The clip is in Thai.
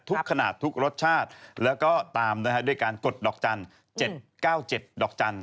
ทุกขนาดทุกรสชาติแล้วก็ตามนะฮะด้วยการกดดอกจันทร์๗๙๗ดอกจันท